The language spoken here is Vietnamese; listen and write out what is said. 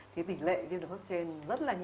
thì tỷ lệ viêm đường hô hốp trên rất là nhiều